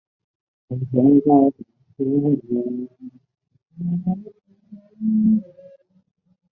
该组织致力于塞浦路斯的统一以及塞浦路斯希腊人和塞浦路斯土耳其人的和解。